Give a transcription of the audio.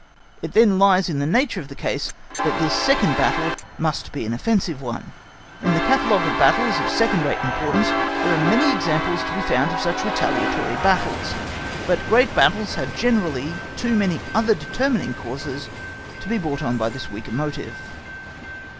It then lies in the nature of the case that this second battle must be an offensive one. In the catalogue of battles of second rate importance there are many examples to be found of such retaliatory battles; but great battles have generally too many other determining causes to be brought on by this weaker motive.